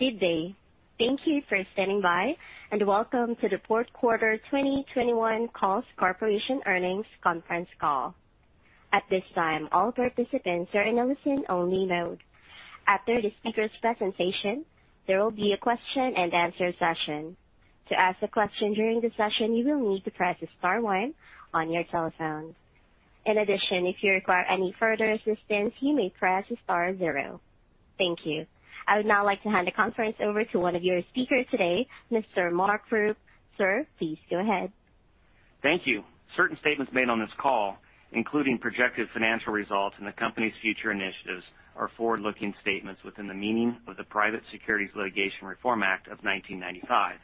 Good day. Thank you for standing by, and welcome to the fourth quarter 2021 Kohl's Corporation earnings conference call. At this time, all participants are in a listen-only mode. After the speaker's presentation, there will be a question and answer session. To ask a question during the session, you will need to press star one on your telephone. In addition, if you require any further assistance, you may press star zero. Thank you. I would now like to hand the conference over to one of your speakers today, Mr. Mark Rupe. Sir, please go ahead. Thank you. Certain statements made on this call, including projected financial results and the company's future initiatives, are forward-looking statements within the meaning of the Private Securities Litigation Reform Act of 1995.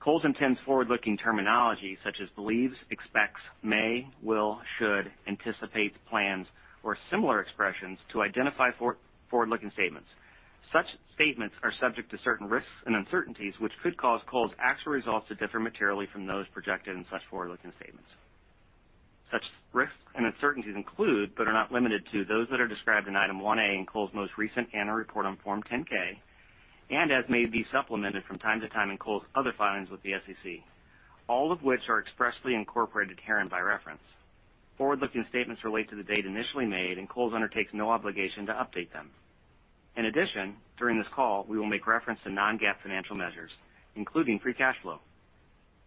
Kohl's intends forward-looking terminology such as believes, expects, may, will, should, anticipates, plans, or similar expressions to identify forward-looking statements. Such statements are subject to certain risks and uncertainties, which could cause Kohl's actual results to differ materially from those projected in such forward-looking statements. Such risks and uncertainties include, but are not limited to, those that are described in Item 1A in Kohl's most recent annual report on Form 10-K, and as may be supplemented from time to time in Kohl's other filings with the SEC, all of which are expressly incorporated herein by reference. Forward-looking statements relate to the date initially made, and Kohl's undertakes no obligation to update them. In addition, during this call, we will make reference to non-GAAP financial measures, including free cash flow.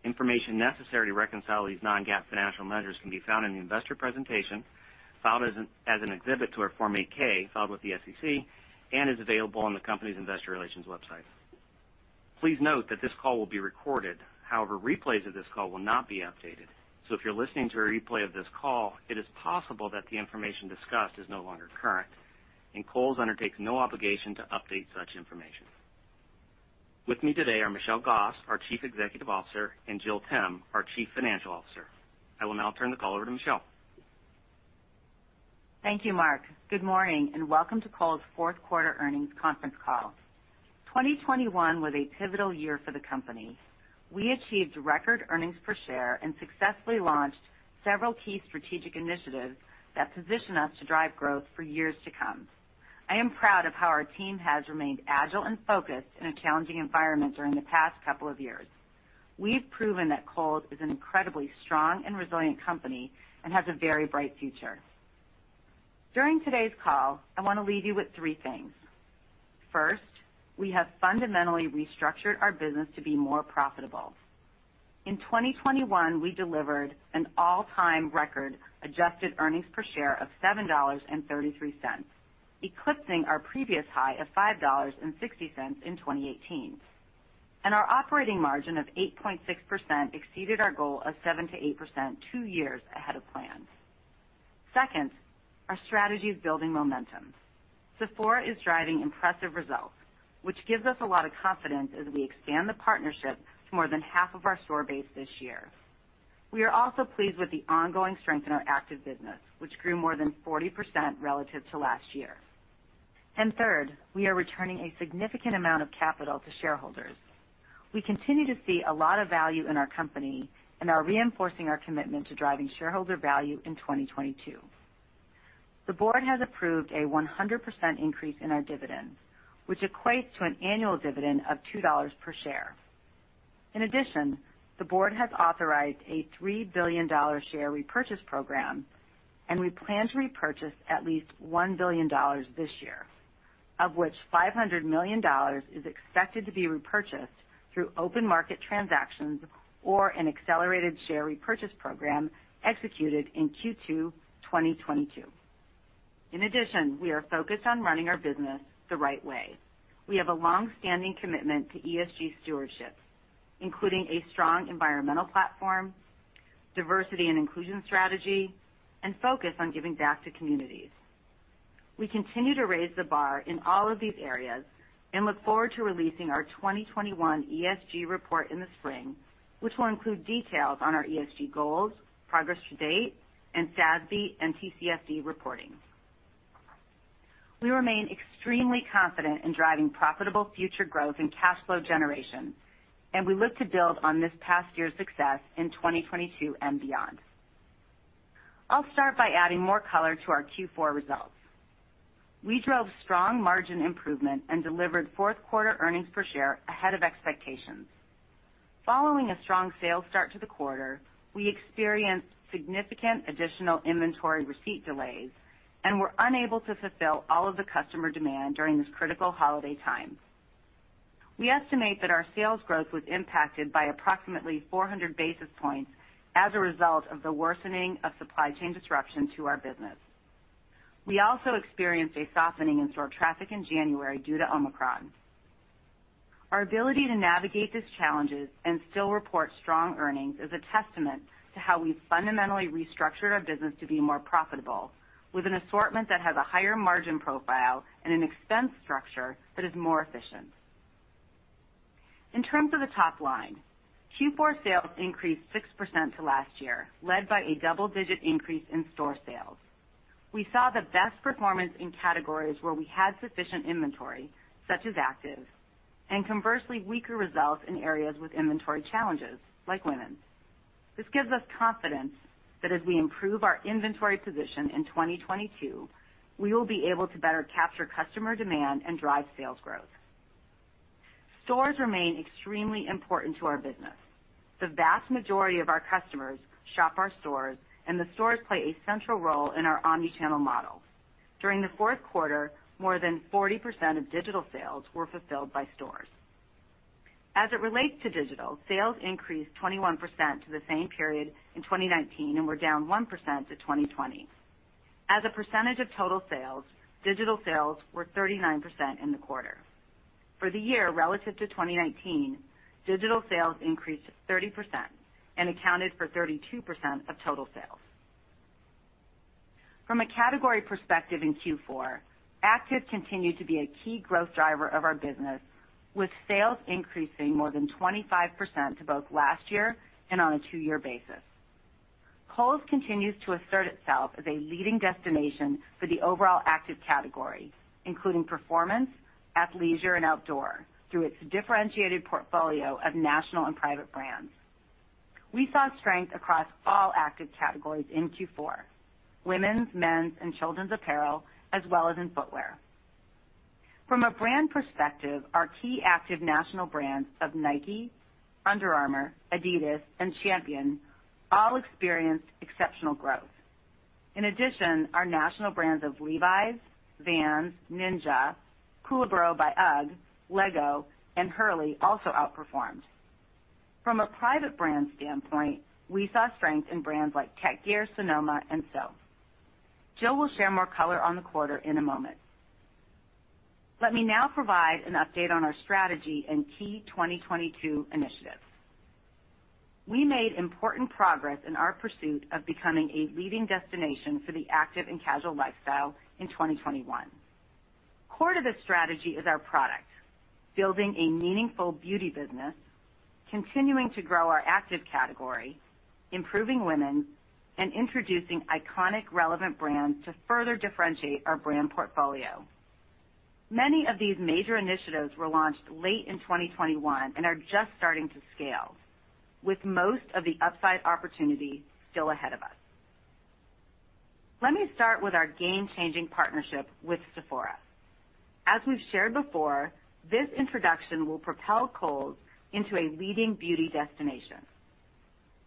Information necessary to reconcile these non-GAAP financial measures can be found in the investor presentation filed as an exhibit to our Form 8-K filed with the SEC and is available on the company's investor relations website. Please note that this call will be recorded. However, replays of this call will not be updated, so if you're listening to a replay of this call, it is possible that the information discussed is no longer current, and Kohl's undertakes no obligation to update such information. With me today are Michelle Gass, our Chief Executive Officer, and Jill Timm, our Chief Financial Officer. I will now turn the call over to Michelle. Thank you, Mark. Good morning, and welcome to Kohl's fourth quarter earnings conference call. 2021 was a pivotal year for the company. We achieved record earnings per share, and successfully launched several key strategic initiatives that position us to drive growth for years to come. I am proud of how our team has remained agile and focused in a challenging environment during the past couple of years. We've proven that Kohl's is an incredibly strong and resilient company, and has a very bright future. During today's call, I wanna leave you with three things. First, we have fundamentally restructured our business to be more profitable. In 2021, we delivered an all-time record adjusted earnings per share of $7.33, eclipsing our previous high of $5.60 in 2018. Our operating margin of 8.6% exceeded our goal of 7%-8% two years ahead of plan. Second, our strategy is building momentum. Sephora is driving impressive results, which gives us a lot of confidence as we expand the partnership to more than half of our store base this year. We are also pleased with the ongoing strength in our active business, which grew more than 40% relative to last year. Third, we are returning a significant amount of capital to shareholders. We continue to see a lot of value in our company and are reinforcing our commitment to driving shareholder value in 2022. The board has approved a 100% increase in our dividend, which equates to an annual dividend of $2 per share. In addition, the board has authorized a $3 billion share repurchase program, and we plan to repurchase at least $1 billion this year, of which $500 million is expected to be repurchased through open market transactions or an accelerated share repurchase program executed in Q2 2022. In addition, we are focused on running our business the right way. We have a long-standing commitment to ESG stewardship, including a strong environmental platform, diversity and inclusion strategy, and focus on giving back to communities. We continue to raise the bar in all of these areas and look forward to releasing our 2021 ESG report in the spring, which will include details on our ESG goals, progress to date, and SASB and TCFD reporting. We remain extremely confident in driving profitable future growth and cash flow generation, and we look to build on this past year's success in 2022 and beyond. I'll start by adding more color to our Q4 results. We drove strong margin improvement and delivered fourth quarter earnings per share ahead of expectations. Following a strong sales start to the quarter, we experienced significant additional inventory receipt delays, and were unable to fulfill all of the customer demand during this critical holiday time. We estimate that our sales growth was impacted by approximately 400 basis points as a result of the worsening of supply chain disruption to our business. We also experienced a softening in store traffic in January due to Omicron. Our ability to navigate these challenges and still report strong earnings is a testament to how we've fundamentally restructured our business to be more profitable, with an assortment that has a higher margin profile and an expense structure that is more efficient. In terms of the top line, Q4 sales increased 6% to last year, led by a double-digit increase in store sales. We saw the best performance in categories where we had sufficient inventory, such as active, and conversely, weaker results in areas with inventory challenges, like women's. This gives us confidence that as we improve our inventory position in 2022, we will be able to better capture customer demand, and drive sales growth. Stores remain extremely important to our business. The vast majority of our customers shop our stores, and the stores play a central role in our omni-channel model. During the fourth quarter, more than 40% of digital sales were fulfilled by stores. As it relates to digital, sales increased 21% to the same period in 2019 and were down 1% to 2020. As a percentage of total sales, digital sales were 39% in the quarter. For the year relative to 2019, digital sales increased 30% and accounted for 32% of total sales. From a category perspective in Q4, active continued to be a key growth driver of our business, with sales increasing more than 25% to both last year, and on a two-year basis. Kohl's continues to assert itself as a leading destination for the overall active category, including performance, athleisure, and outdoor, through its differentiated portfolio of national and private brands. We saw strength across all active categories in Q4, women's, men's, and children's apparel, as well as in footwear. From a brand perspective, our key active national brands of Nike, Under Armour, Adidas, and Champion all experienced exceptional growth. In addition, our national brands of Levi's, Vans, Ninja, Koolaburra by UGG, LEGO, and Hurley also outperformed. From a private brand standpoint, we saw strength in brands like Tek Gear, Sonoma, and SO. Jill will share more color on the quarter in a moment. Let me now provide an update on our strategy and key 2022 initiatives. We made important progress in our pursuit of becoming a leading destination for the active, and casual lifestyle in 2021. Core to this strategy is our product, building a meaningful beauty business, continuing to grow our active category, improving women, and introducing iconic relevant brands to further differentiate our brand portfolio. Many of these major initiatives were launched late in 2021 and are just starting to scale, with most of the upside opportunity still ahead of us. Let me start with our game-changing partnership with Sephora. As we've shared before, this introduction will propel Kohl's into a leading beauty destination.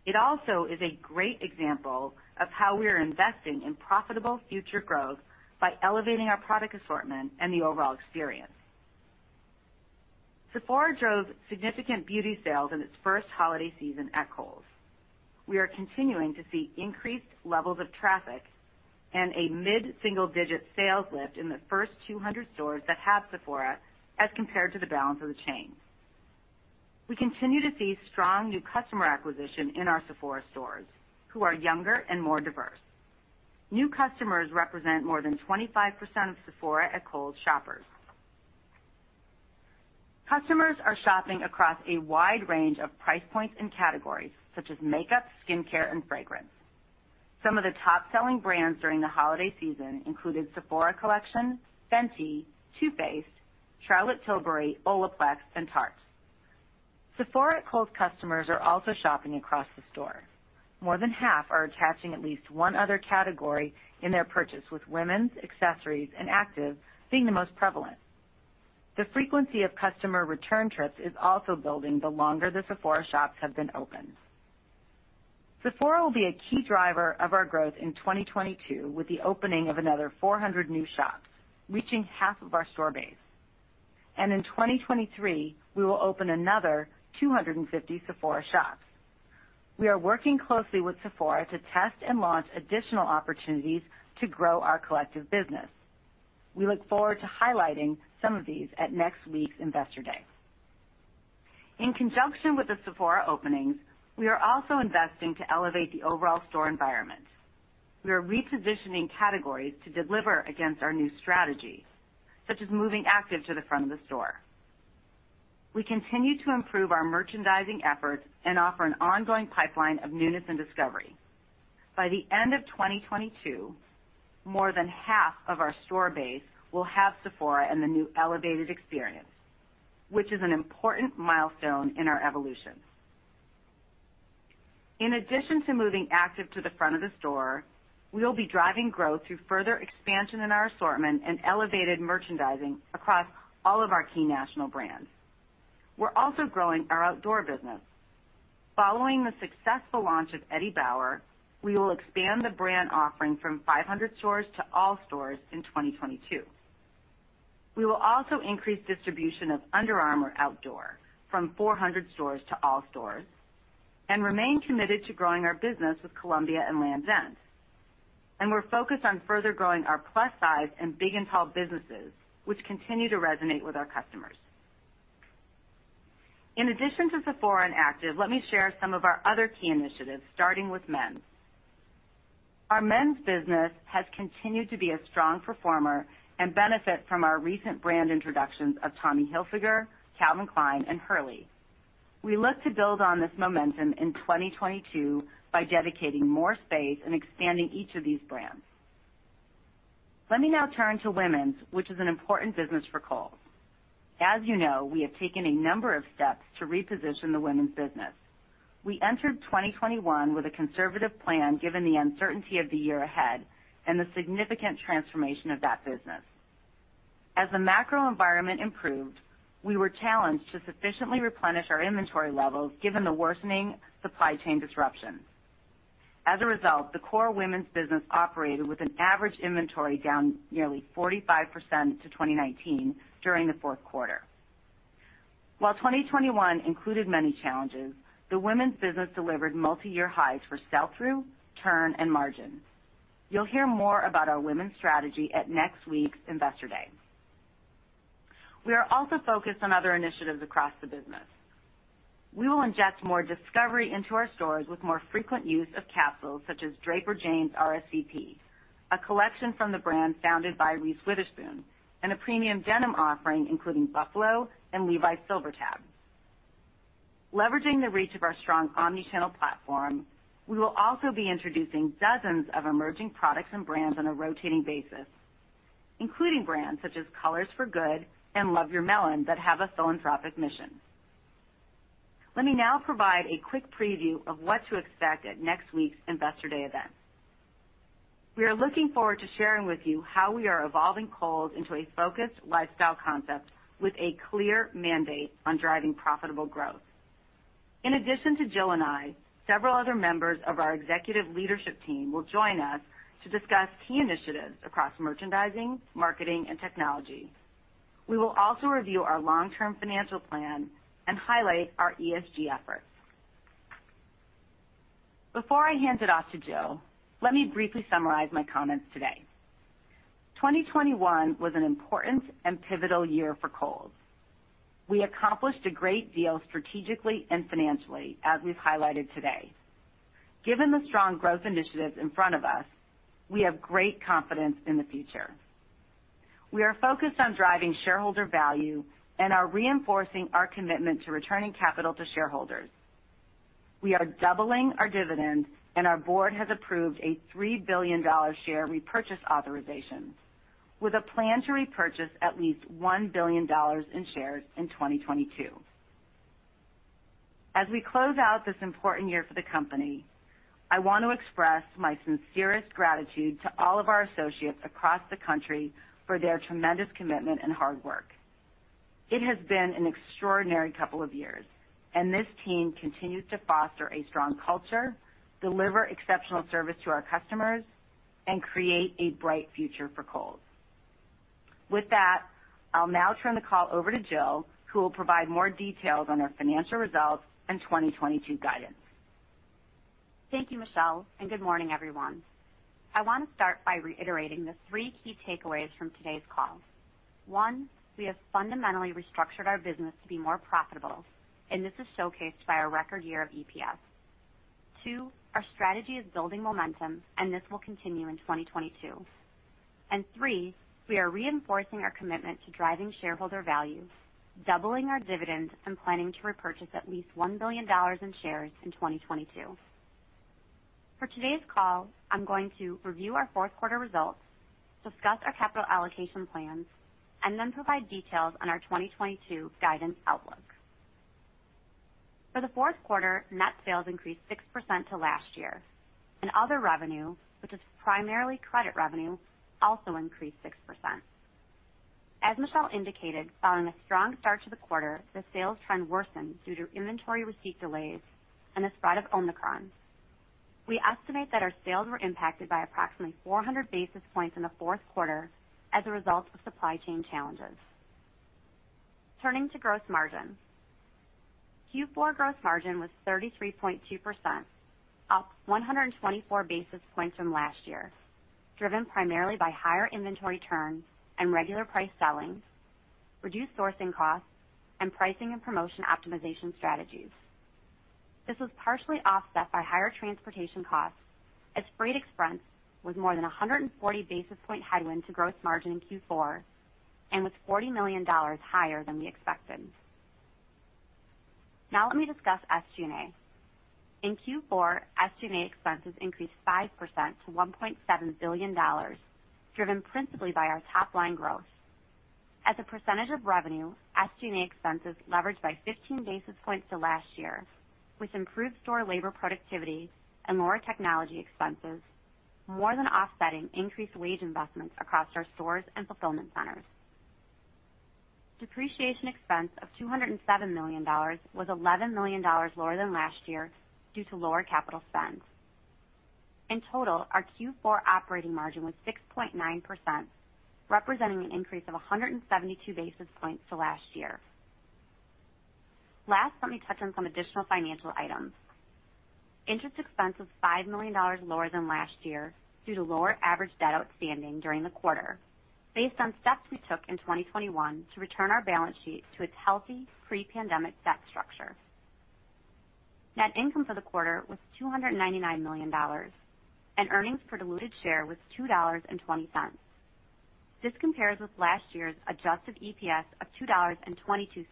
It also is a great example of how we are investing in profitable future growth by elevating our product assortment, and the overall experience. Sephora drove significant beauty sales in its first holiday season at Kohl's. We are continuing to see increased levels of traffic and a mid-single-digit sales lift in the first 200 stores that have Sephora as compared to the balance of the chain. We continue to see strong new customer acquisition in our Sephora stores who are younger and more diverse. New customers represent more than 25% of Sephora at Kohl's shoppers. Customers are shopping across a wide range of price points and categories such as makeup, skincare, and fragrance. Some of the top-selling brands during the holiday season included Sephora Collection, Fenty, Too Faced, Charlotte Tilbury, Olaplex, and Tarte. Sephora at Kohl's customers are also shopping across the store. More than half are attaching at least one other category in their purchase, with women's, accessories, and active being the most prevalent. The frequency of customer return trips is also building the longer the Sephora shops have been opened. Sephora will be a key driver of our growth in 2022 with the opening of another 400 new shops, reaching half of our store base. In 2023, we will open another 250 Sephora shops. We are working closely with Sephora to test and launch additional opportunities to grow our collective business. We look forward to highlighting some of these at next week's Investor Day. In conjunction with the Sephora openings, we are also investing to elevate the overall store environment. We are repositioning categories to deliver against our new strategy, such as moving active to the front of the store. We continue to improve our merchandising efforts and offer an ongoing pipeline of newness and discovery. By the end of 2022, more than half of our store base will have Sephora and the new elevated experience, which is an important milestone in our evolution. In addition to moving active to the front of the store, we will be driving growth through further expansion in our assortment and elevated merchandising across all of our key national brands. We're also growing our outdoor business. Following the successful launch of Eddie Bauer, we will expand the brand offering from 500 stores to all stores in 2022. We will also increase distribution of Under Armour Outdoor from 400 stores to all stores and remain committed to growing our business with Columbia and Lands' End. We're focused on further growing our plus size and big and tall businesses, which continue to resonate with our customers. In addition to Sephora and Active, let me share some of our other key initiatives, starting with Men's. Our Men's business has continued to be a strong performer, and benefit from our recent brand introductions of Tommy Hilfiger, Calvin Klein, and Hurley. We look to build on this momentum in 2022 by dedicating more space and expanding each of these brands. Let me now turn to Women's, which is an important business for Kohl's. As you know, we have taken a number of steps to reposition the women's business. We entered 2021 with a conservative plan, given the uncertainty of the year ahead and the significant transformation of that business. As the macro environment improved, we were challenged to sufficiently replenish our inventory levels, given the worsening supply chain disruptions. As a result, the core women's business operated with an average inventory down nearly 45% to 2019 during the fourth quarter. While 2021 included many challenges, the women's business delivered multiyear highs for sell-through, turn, and margin. You'll hear more about our women's strategy at next week's Investor Day. We are also focused on other initiatives across the business. We will inject more discovery into our stores with more frequent use of capsules such as Draper James RSVP, a collection from the brand founded by Reese Witherspoon, and a premium denim offering, including Buffalo and Levi's SilverTab. Leveraging the reach of our strong omni-channel platform, we will also be introducing dozens of emerging products, and brands on a rotating basis, including brands such as Colors for Good and Love Your Melon that have a philanthropic mission. Let me now provide a quick preview of what to expect at next week's Investor Day event. We are looking forward to sharing with you how we are evolving Kohl's into a focused lifestyle concept with a clear mandate on driving profitable growth. In addition to Jill and I, several other members of our executive leadership team will join us to discuss key initiatives across merchandising, marketing, and technology. We will also review our long-term financial plan, and highlight our ESG efforts. Before I hand it off to Jill, let me briefly summarize my comments today. 2021 was an important and pivotal year for Kohl's. We accomplished a great deal strategically and financially, as we've highlighted today. Given the strong growth initiatives in front of us, we have great confidence in the future. We are focused on driving shareholder value and are reinforcing our commitment to returning capital to shareholders. We are doubling our dividend, and our board has approved a $3 billion share repurchase authorization with a plan to repurchase at least $1 billion in shares in 2022. As we close out this important year for the company, I want to express my sincerest gratitude to all of our associates across the country for their tremendous commitment and hard work. It has been an extraordinary couple of years, and this team continues to foster a strong culture, deliver exceptional service to our customers, and create a bright future for Kohl's. With that, I'll now turn the call over to Jill, who will provide more details on our financial results and 2022 guidance. Thank you, Michelle, and good morning, everyone. I want to start by reiterating the three key takeaways from today's call. One, we have fundamentally restructured our business to be more profitable, and this is showcased by our record year of EPS. Two, our strategy is building momentum, and this will continue in 2022. Three, we are reinforcing our commitment to driving shareholder value, doubling our dividends, and planning to repurchase at least $1 billion in shares in 2022. For today's call, I'm going to review our fourth quarter results, discuss our capital allocation plans, and then provide details on our 2022 guidance outlook. For the fourth quarter, net sales increased 6% from last year and other revenue, which is primarily credit revenue, also increased 6%. As Michelle indicated, following a strong start to the quarter, the sales trend worsened due to inventory receipt delays and the spread of Omicron. We estimate that our sales were impacted by approximately 400 basis points in the fourth quarter as a result of supply chain challenges. Turning to gross margin. Q4 gross margin was 33.2%, up 124 basis points from last year, driven primarily by higher inventory turns and regular price selling, reduced sourcing costs, and pricing, and promotion optimization strategies. This was partially offset by higher transportation costs as freight expense was more than 140 basis point headwind to gross margin in Q4 and was $40 million higher than we expected. Now let me discuss SG&A. In Q4, SG&A expenses increased 5% to $1.7 billion, driven principally by our top line growth. As a percentage of revenue, SG&A expenses leveraged by 15 basis points to last year, with improved store labor productivity and lower technology expenses, more than offsetting increased wage investments across our stores and fulfillment centers. Depreciation expense of $207 million was $11 million lower than last year due to lower capital spends. In total, our Q4 operating margin was 6.9%, representing an increase of 172 basis points to last year. Last, let me touch on some additional financial items. Interest expense was $5 million lower than last year due to lower average debt outstanding during the quarter based on steps we took in 2021 to return our balance sheet to its healthy pre-pandemic debt structure. Net income for the quarter was $299 million, and earnings per diluted share was $2.20. This compares with last year's adjusted EPS of $2.22,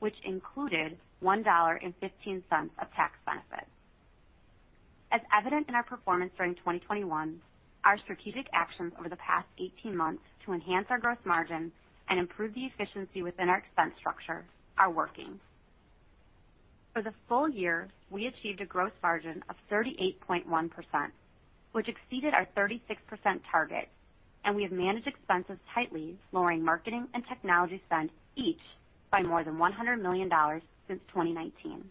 which included $1.15 of tax benefits. As evident in our performance during 2021, our strategic actions over the past 18 months to enhance our growth margin and improve the efficiency within our expense structure are working. For the full year, we achieved a growth margin of 38.1%, which exceeded our 36% target, and we have managed expenses tightly, lowering marketing and technology spend each by more than $100 million since 2019.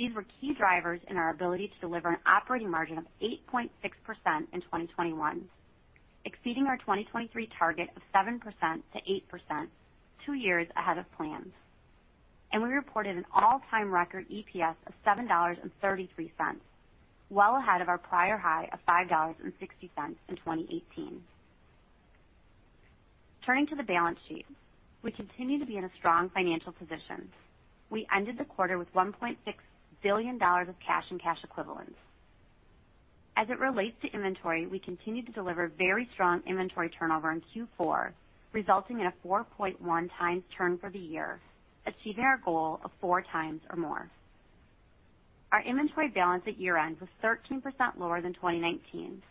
These were key drivers in our ability to deliver an operating margin of 8.6% in 2021, exceeding our 2023 target of 7%-8%, two years ahead of plan. We reported an all-time record EPS of $7.33, well ahead of our prior high of $5.60 in 2018. Turning to the balance sheet. We continue to be in a strong financial position. We ended the quarter with $1.6 billion of cash and cash equivalents. As it relates to inventory, we continue to deliver very strong inventory turnover in Q4, resulting in a 4.1x turn for the year, achieving our goal of 4x or more. Our inventory balance at year-end was 13% lower than 2019.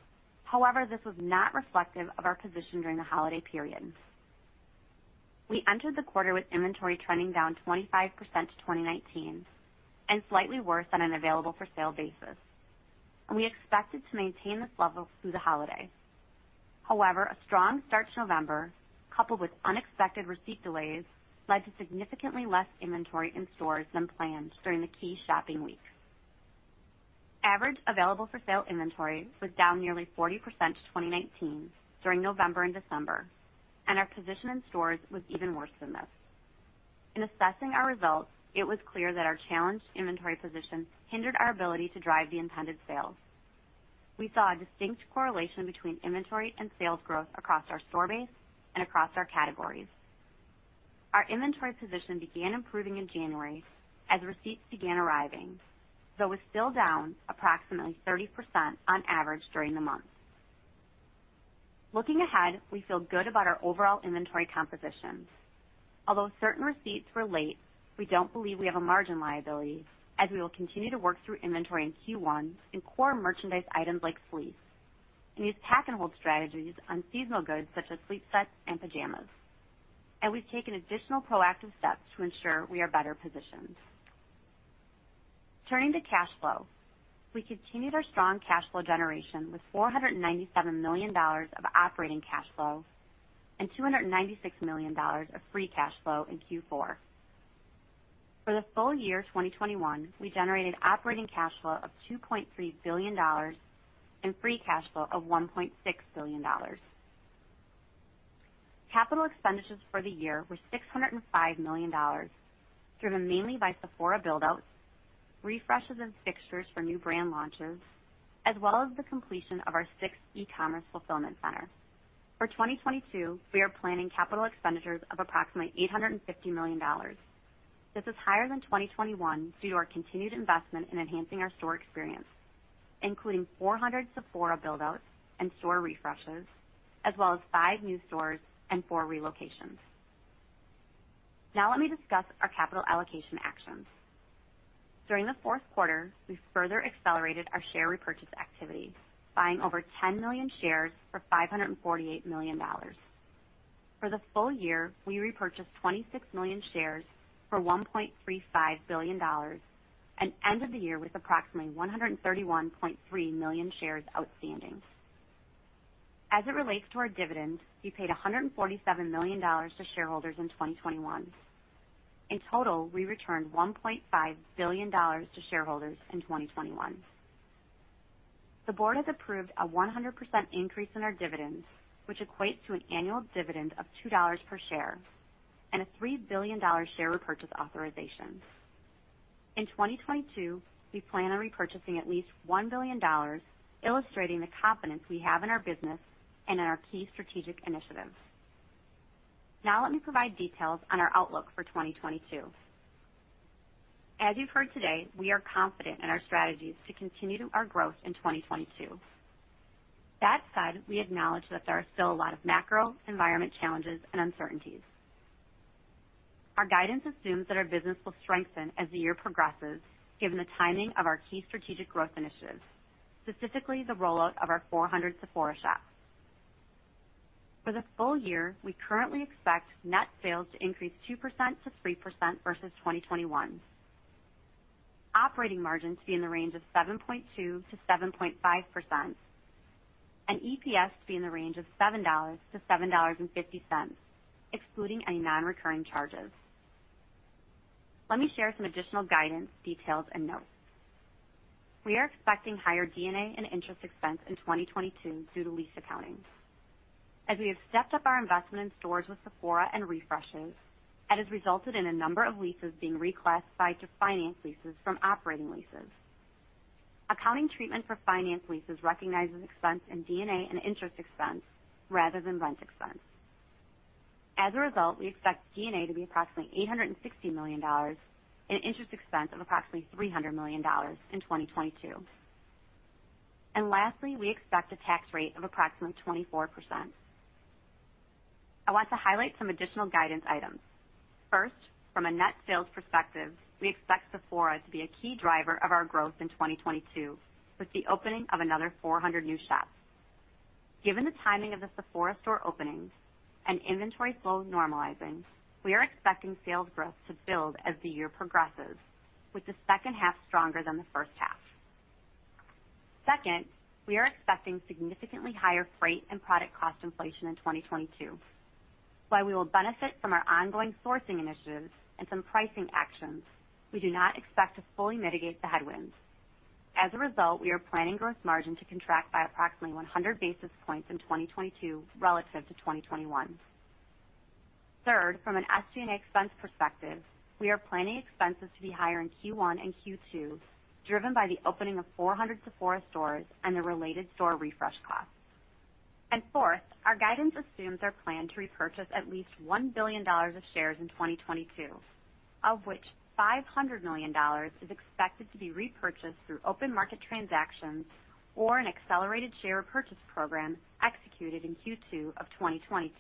However, this was not reflective of our position during the holiday period. We entered the quarter with inventory trending down 25% to 2019 and slightly worse on an available for sale basis, and we expected to maintain this level through the holiday. However, a strong start to November, coupled with unexpected receipt delays, led to significantly less inventory in stores than planned during the key shopping weeks. Average available for sale inventory was down nearly 40% to 2019 during November and December, and our position in stores was even worse than this. In assessing our results, it was clear that our challenged inventory position hindered our ability to drive the intended sales. We saw a distinct correlation between inventory and sales growth across our store base and across our categories. Our inventory position began improving in January as receipts began arriving, though was still down approximately 30% on average during the month. Looking ahead, we feel good about our overall inventory composition. Although certain receipts were late, we don't believe we have a margin liability as we will continue to work through inventory in Q1 in core merchandise items like sleep, and use pack and hold strategies on seasonal goods such as sleep sets and pajamas. We've taken additional proactive steps to ensure we are better positioned. Turning to cash flow. We continued our strong cash flow generation with $497 million of operating cash flow and $296 million of free cash flow in Q4. For the full year 2021, we generated operating cash flow of $2.3 billion and free cash flow of $1.6 billion. Capital expenditures for the year were $605 million, driven mainly by Sephora build-outs, refreshes and fixtures for new brand launches, as well as the completion of our sixth e-commerce fulfillment center. For 2022, we are planning capital expenditures of approximately $850 million. This is higher than 2021 due to our continued investment in enhancing our store experience, including 400 Sephora build-outs and store refreshes as well as five new stores and four relocations. Now let me discuss our capital allocation actions. During the fourth quarter, we further accelerated our share repurchase activity, buying over 10 million shares for $548 million. For the full year, we repurchased 26 million shares for $1.35 billion and ended the year with approximately 131.3 million shares outstanding. As it relates to our dividend, we paid $147 million to shareholders in 2021. In total, we returned $1.5 billion to shareholders in 2021. The board has approved a 100% increase in our dividends, which equates to an annual dividend of $2 per share and a $3 billion share repurchase authorization. In 2022, we plan on repurchasing at least $1 billion, illustrating the confidence we have in our business and in our key strategic initiatives. Now let me provide details on our outlook for 2022. As you've heard today, we are confident in our strategies to continue our growth in 2022. That said, we acknowledge that there are still a lot of macro environment challenges and uncertainties. Our guidance assumes that our business will strengthen as the year progresses given the timing of our key strategic growth initiatives, specifically the rollout of our 400 Sephora shops. For the full year, we currently expect net sales to increase 2%-3% versus 2021. Operating margin to be in the range of 7.2%-7.5%, and EPS to be in the range of $7-$7.50, excluding any non-recurring charges. Let me share some additional guidance, details, and notes. We are expecting higher G&A and interest expense in 2022 due to lease accounting. As we have stepped up our investment in stores with Sephora and refreshes, that has resulted in a number of leases being reclassified to finance leases from operating leases. Accounting treatment for finance leases recognizes expense in G&A and interest expense rather than rent expense. As a result, we expect G&A to be approximately $860 million, and interest expense of approximately $300 million in 2022. Lastly, we expect a tax rate of approximately 24%. I want to highlight some additional guidance items. First, from a net sales perspective, we expect Sephora to be a key driver of our growth in 2022, with the opening of another 400 new shops. Given the timing of the Sephora store openings and inventory flows normalizing, we are expecting sales growth to build as the year progresses, with the second half stronger than the first half. Second, we are expecting significantly higher freight and product cost inflation in 2022. While we will benefit from our ongoing sourcing initiatives and some pricing actions, we do not expect to fully mitigate the headwinds. As a result, we are planning gross margin to contract by approximately 100 basis points in 2022 relative to 2021. Third, from an SG&A expense perspective, we are planning expenses to be higher in Q1 and Q2, driven by the opening of 400 Sephora stores and the related store refresh costs. Fourth, our guidance assumes our plan to repurchase at least $1 billion of shares in 2022, of which $500 million is expected to be repurchased through open market transactions or an accelerated share purchase program executed in Q2 of 2022.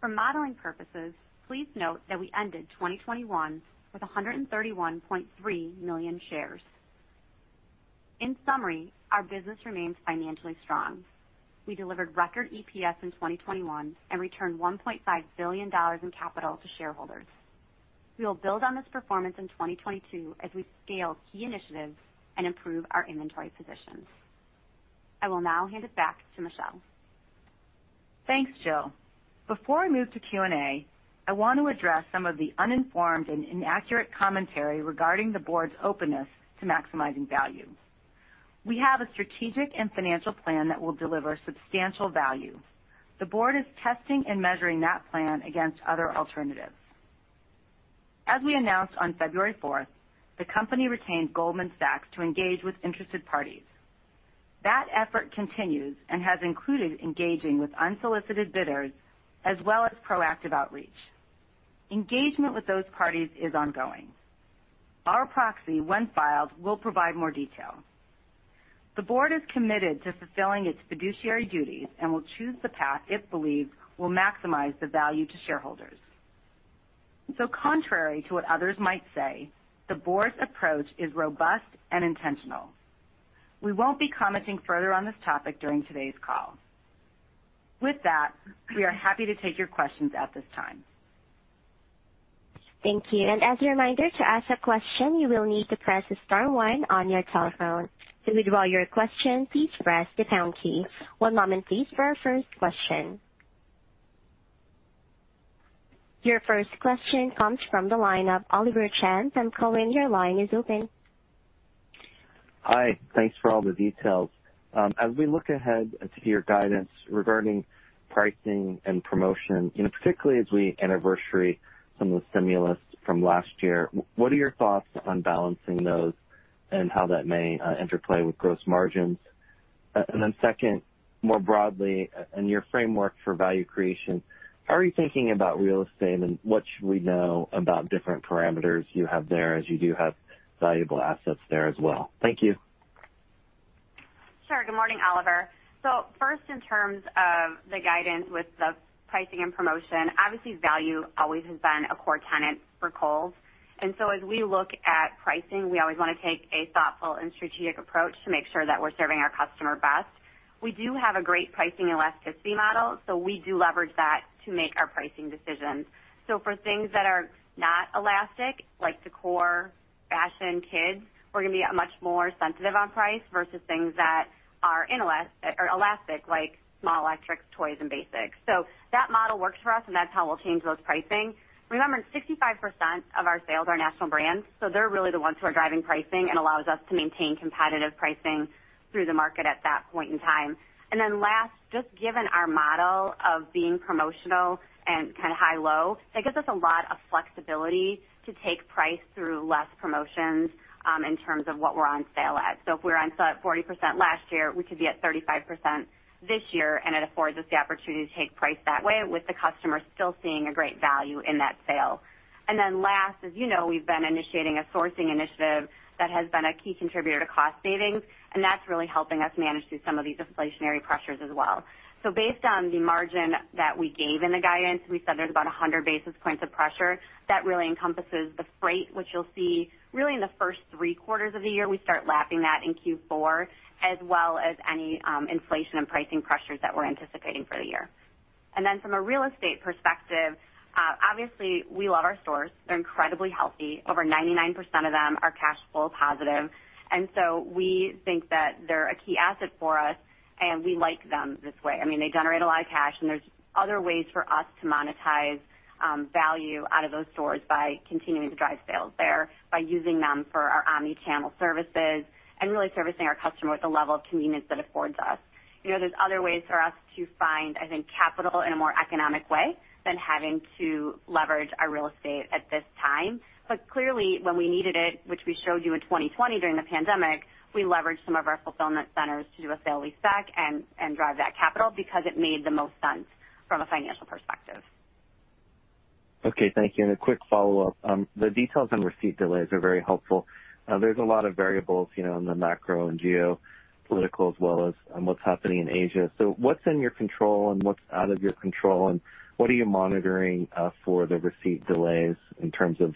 For modeling purposes, please note that we ended 2021 with 131.3 million shares. In summary, our business remains financially strong. We delivered record EPS in 2021 and returned $1.5 billion in capital to shareholders. We will build on this performance in 2022 as we scale key initiatives and improve our inventory positions. I will now hand it back to Michelle. Thanks, Jill. Before I move to Q&A, I want to address some of the uninformed and inaccurate commentary regarding the board's openness to maximizing value. We have a strategic and financial plan that will deliver substantial value. The board is testing and measuring that plan against other alternatives. As we announced on February fourth, the company retained Goldman Sachs to engage with interested parties. That effort continues and has included engaging with unsolicited bidders as well as proactive outreach. Engagement with those parties is ongoing. Our proxy, when filed, will provide more detail. The board is committed to fulfilling its fiduciary duties and will choose the path it believes will maximize the value to shareholders. Contrary to what others might say, the board's approach is robust and intentional. We won't be commenting further on this topic during today's call. With that, we are happy to take your questions at this time. Thank you. As a reminder, to ask a question, you will need to press star one on your telephone. To withdraw your question, please press the pound key. One moment, please, for our first question. Your first question comes from the line of Oliver Chen from Cowen. Your line is open. Hi. Thanks for all the details. As we look ahead to your guidance regarding pricing and promotion, you know, particularly as we anniversary some of the stimulus from last year, what are your thoughts on balancing those. And how that may interplay with gross margins? Then second, more broadly, in your framework for value creation, how are you thinking about real estate, and what should we know about different parameters you have there, as you do have valuable assets there as well? Thank you. Sure. Good morning, Oliver. First, in terms of the guidance with the pricing and promotion, obviously, value always has been a core tenet for Kohl's. As we look at pricing, we always wanna take a thoughtful and strategic approach to make sure that we're serving our customer best. We do have a great pricing elasticity model, so we do leverage that to make our pricing decisions. For things that are not elastic, like the core fashion kids, we're gonna be much more sensitive on price versus things that are elastic, like small electrics, toys, and basics. That model works for us, and that's how we'll change those pricing. Remember, 65% of our sales are national brands, so they're really the ones who are driving pricing and allows us to maintain competitive pricing through the market at that point in time. Last, just given our model of being promotional and kinda high-low, that gives us a lot of flexibility to take price through less promotions, in terms of what we're on sale at. If we're on 40% last year, we could be at 35% this year, and it affords us the opportunity to take price that way with the customer still seeing a great value in that sale. Last, as you know, we've been initiating a sourcing initiative that has been a key contributor to cost savings, and that's really helping us manage through some of these inflationary pressures as well. Based on the margin that we gave in the guidance, we said there's about 100 basis points of pressure. That really encompasses the freight, which you'll see really in the first three quarters of the year. We start lapping that in Q4, as well as any inflation and pricing pressures that we're anticipating for the year. From a real estate perspective, obviously, we love our stores. They're incredibly healthy. Over 99% of them are cash flow positive. We think that they're a key asset for us, and we like them this way. I mean, they generate a lot of cash, and there's other ways for us to monetize value out of those stores by continuing to drive sales there, by using them for our omnichannel services, and really servicing our customer with the level of convenience that affords us. You know, there's other ways for us to find, I think, capital in a more economic way than having to leverage our real estate at this time. Clearly, when we needed it, which we showed you in 2020 during the pandemic, we leveraged some of our fulfillment centers to do a sale leaseback and drive that capital because it made the most sense from a financial perspective. Okay. Thank you. A quick follow-up. The details on receipt delays are very helpful. There's a lot of variables, you know, in the macro and geopolitical as well as on what's happening in Asia. What's in your control and what's out of your control, and what are you monitoring for the receipt delays in terms of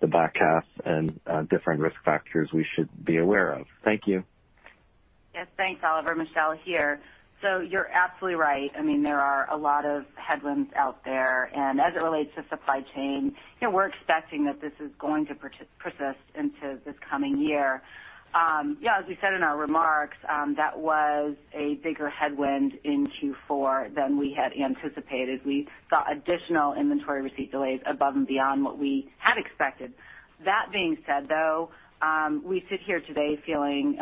the back half and different risk factors we should be aware of? Thank you. Yes. Thanks, Oliver. Michelle here. You're absolutely right. I mean, there are a lot of headwinds out there. As it relates to supply chain, you know, we're expecting that this is going to persist into this coming year. Yeah, as we said in our remarks, that was a bigger headwind in Q4 than we had anticipated. We saw additional inventory receipt delays above and beyond what we had expected. That being said, though, we sit here today feeling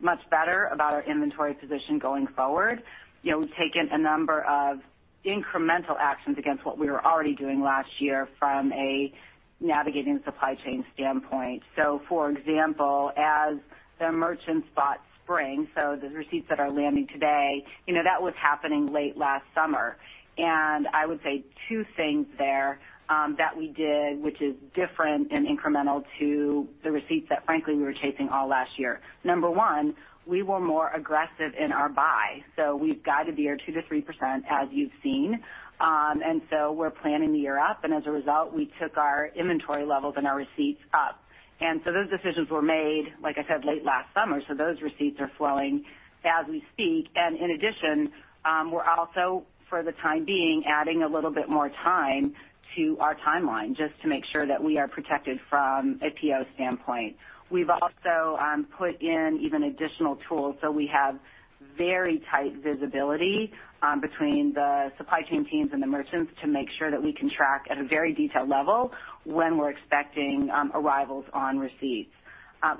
much better about our inventory position going forward. You know, we've taken a number of incremental actions against what we were already doing last year from a navigating supply chain standpoint. For example, as the merchants spot spring, the receipts that are landing today, you know, that was happening late last summer. I would say two things there that we did, which is different and incremental to the receipts that frankly we were chasing all last year. Number one, we were more aggressive in our buy, so we've guided the year 2%-3%, as you've seen. We're planning the year up, and as a result, we took our inventory levels and our receipts up. Those decisions were made, like I said, late last summer. Those receipts are flowing as we speak. In addition, we're also for the time being adding a little bit more time to our timeline just to make sure that we are protected from a PO standpoint. We've also put in even additional tools, so we have very tight visibility between the supply chain teams and the merchants to make sure that we can track at a very detailed level when we're expecting arrivals on receipts.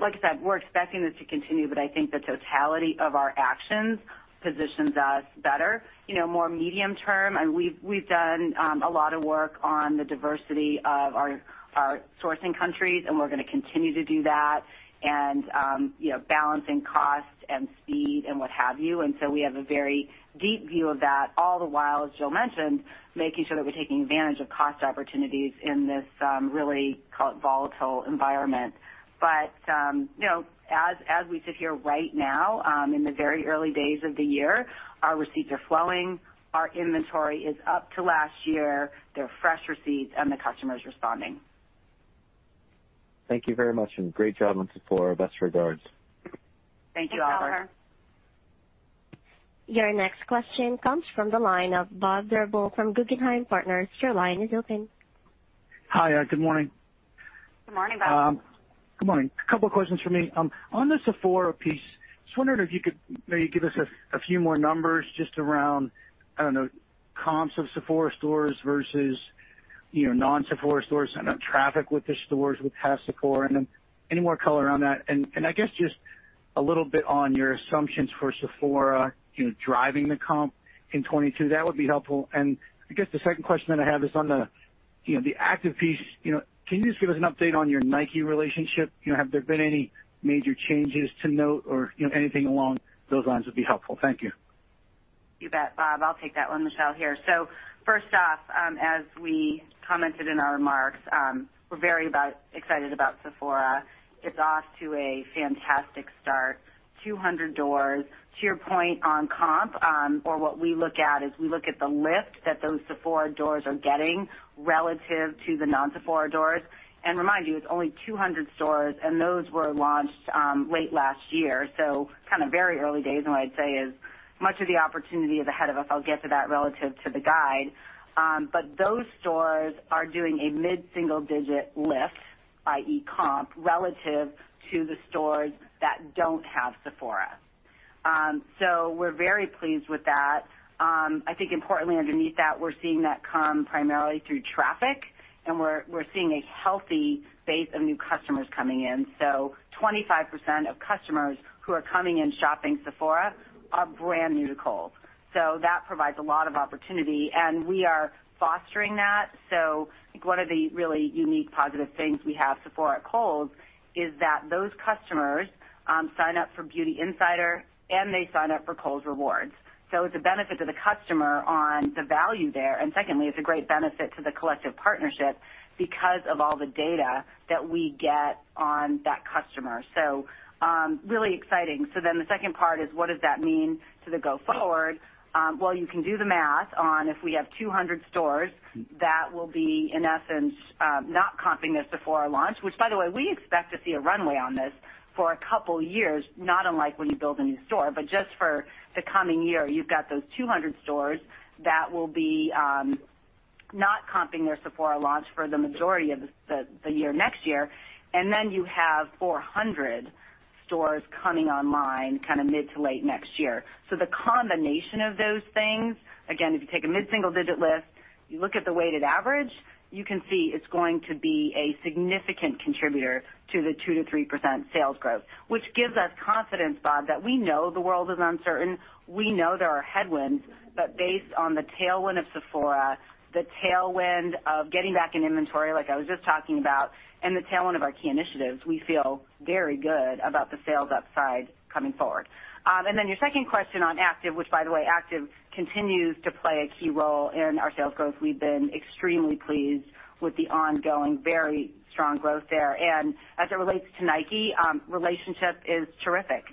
Like I said, we're expecting this to continue, but I think the totality of our actions positions us better. You know, more medium term, and we've done a lot of work on the diversity of our sourcing countries, and we're gonna continue to do that. You know, balancing cost and speed, and what have you. We have a very deep view of that all the while, as Jill mentioned, making sure that we're taking advantage of cost opportunities in this really volatile environment. You know, as we sit here right now, in the very early days of the year, our receipts are flowing, our inventory is up to last year, they're fresh receipts, and the customer is responding. Thank you very much, and great job on Sephora. Best regards. Thank you, Oliver. Your next question comes from the line of Robert Drbul from Guggenheim Partners. Your line is open. Hi. Good morning. Good morning, Bob. Good morning. A couple questions for me. On the Sephora piece, just wondering if you could maybe give us a few more numbers just around, I don't know, comps of Sephora stores versus, you know, non-Sephora stores and, traffic with the stores with past Sephora. Any more color on that. I guess just a little bit on your assumptions for Sephora, you know, driving the comp in 2022, that would be helpful. I guess the second question that I have is on the, you know, the active piece. You know, can you just give us an update on your Nike relationship? You know, have there been any major changes to note or, you know, anything along those lines would be helpful. Thank you. You bet, Bob. I'll take that one. Michelle here. First off, as we commented in our remarks, we're very excited about Sephora. It's off to a fantastic start, 200 doors. To your point on comp, or what we look at is we look at the lift that those Sephora doors are getting relative to the non-Sephora doors. Remind you, it's only 200 stores, and those were launched late last year. Kinda very early days. What I'd say is, much of the opportunity is ahead of us. I'll get to that relative to the guide. Those stores are doing a mid-single digit lift, i.e. comp, relative to the stores that don't have Sephora. We're very pleased with that. I think importantly underneath that, we're seeing that come primarily through traffic, and we're seeing a healthy base of new customers coming in. 25% of customers who are coming and shopping Sephora are brand new to Kohl's. That provides a lot of opportunity, and we are fostering that. I think one of the really unique positive things we have Sephora at Kohl's is that those customers sign up for Beauty Insider and they sign up for Kohl's Rewards. It's a benefit to the customer on the value there. Secondly, it's a great benefit to the collective partnership because of all the data that we get on that customer. Really exciting. The second part is, what does that mean to the go forward? Well, you can do the math on if we have 200 stores, that will be in essence, not comping the Sephora launch, which by the way, we expect to see a runway on this for a couple years, not unlike when you build a new store. Just for the coming year, you've got those 200 stores that will be, not comping their Sephora launch for the majority of the year next year. You have 400 stores coming online kinda mid to late next year. The combination of those things, again, if you take a mid-single digit lift. You look at the weighted average, you can see it's going to be a significant contributor to the 2%-3% sales growth, which gives us confidence, Bob, that we know the world is uncertain. We know there are headwinds, but based on the tailwind of Sephora, the tailwind of getting back in inventory, like I was just talking about, and the tailwind of our key initiatives, we feel very good about the sales upside coming forward. Your second question on active, which by the way, active continues to play a key role in our sales growth. We've been extremely pleased with the ongoing, very strong growth there. As it relates to Nike, relationship is terrific.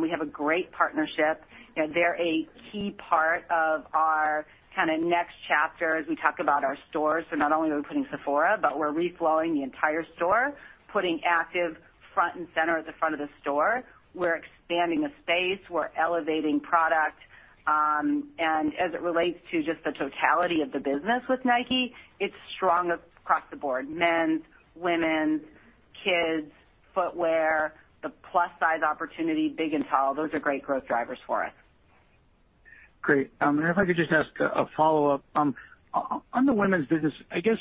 We have a great partnership. You know, they're a key part of our kinda next chapter as we talk about our stores. Not only are we putting Sephora, but we're reflowing the entire store, putting active front and center at the front of the store. We're expanding a space, we're elevating product, and as it relates to just the totality of the business with Nike, it's strong across the board, men's, women's, kids, footwear, the plus size opportunity, big and tall. Those are great growth drivers for us. Great. If I could just ask a follow-up. On the women's business, I guess,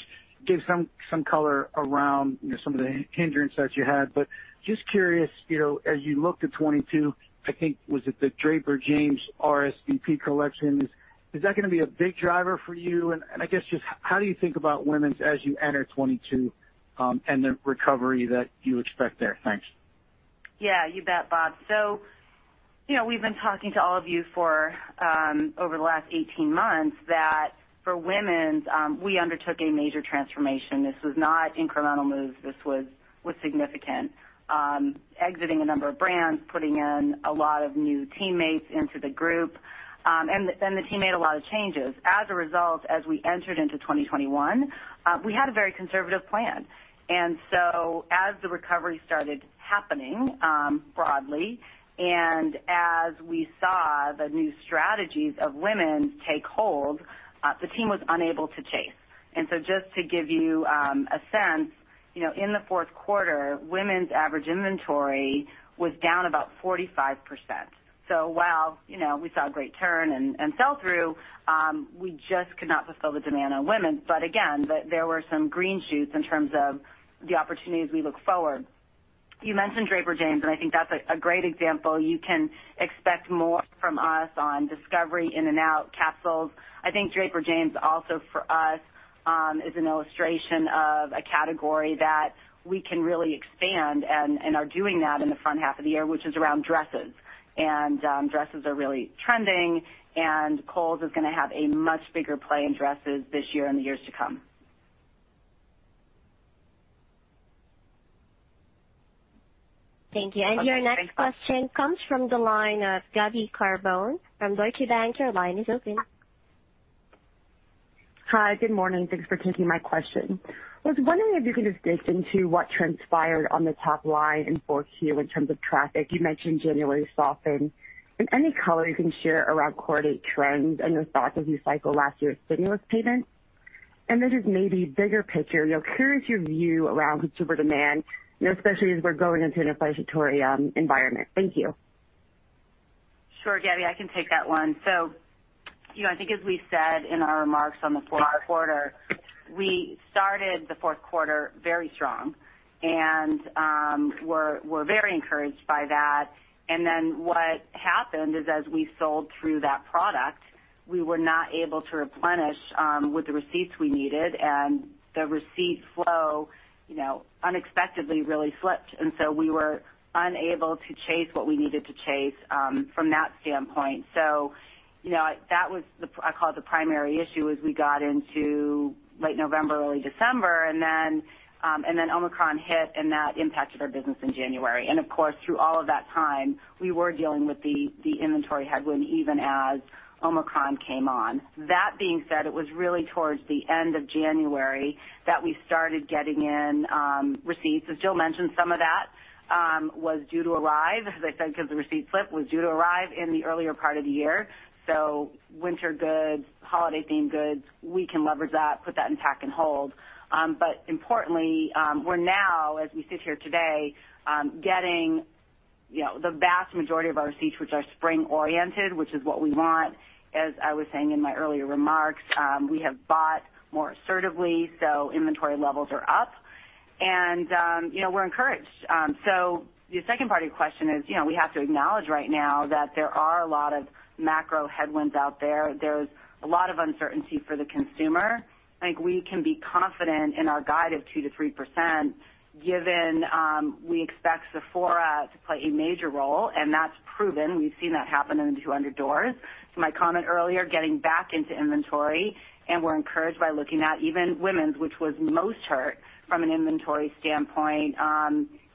give some color around, you know, some of the hindrance that you had, but just curious, you know, as you look to 2022, I think, was it the Draper James RSVP collections, is that gonna be a big driver for you? And I guess just how do you think about women's as you enter 2022, and the recovery that you expect there? Thanks. Yeah, you bet, Bob. You know, we've been talking to all of you for over the last 18 months that for women's we undertook a major transformation. This was not incremental moves. This was significant. Exiting a number of brands, putting in a lot of new teammates into the group, and the team made a lot of changes. As a result, as we entered into 2021, we had a very conservative plan. As the recovery started happening broadly, and as we saw the new strategies of women take hold, the team was unable to chase. Just to give you a sense, you know, in the fourth quarter, women's average inventory was down about 45%. While, you know, we saw a great turn and sell through, we just could not fulfill the demand on women. Again, there were some green shoots in terms of the opportunities we look forward. You mentioned Draper James, and I think that's a great example. You can expect more from us on discovery, in and out capsules. I think Draper James also for us is an illustration of a category that we can really expand and are doing that in the front half of the year, which is around dresses. Dresses are really trending, and Kohl's is gonna have a much bigger play in dresses this year and the years to come. Thank you. Okay. Thanks, Bob. Your next question comes from the line of Gabriella Carbone from Deutsche Bank. Your line is open. Hi, good morning. Thanks for taking my question. I was wondering if you could just dig into what transpired on the top line in 4Q in terms of traffic. You mentioned January softened. Any color you can share around quarter date trends and your thoughts as you cycle last year's stimulus payments. Then just maybe bigger picture, you know, curious your view around consumer demand, you know, especially as we're going into an inflationary environment. Thank you. Sure, Gabby. I can take that one. You know, I think as we said in our remarks on the fourth quarter, we started the fourth quarter very strong and were very encouraged by that. What happened is as we sold through that product, we were not able to replenish with the receipts we needed, and the receipt flow, you know, unexpectedly really slipped. We were unable to chase what we needed to chase from that standpoint. You know, that was the primary issue I call it as we got into late November, early December, and then Omicron hit, and that impacted our business in January. Of course, through all of that time, we were dealing with the inventory headwind, even as Omicron came on. That being said, it was really towards the end of January that we started getting in receipts. As Jill mentioned, some of that was due to arrive, as I said, because the receipts were due to arrive in the earlier part of the year. Winter goods, holiday themed goods, we can leverage that, put that in pack and hold. Importantly, we're now, as we sit here today, getting, you know, the vast majority of our receipts, which are spring oriented, which is what we want. As I was saying in my earlier remarks, we have bought more assertively, so inventory levels are up. You know, we're encouraged. The second part of your question is, you know, we have to acknowledge right now that there are a lot of macro headwinds out there. There's a lot of uncertainty for the consumer. I think we can be confident in our guide of 2%-3%, given we expect Sephora to play a major role, and that's proven. We've seen that happen in the 200 doors. To my comment earlier, getting back into inventory, and we're encouraged by looking at even women's, which was most hurt from an inventory standpoint,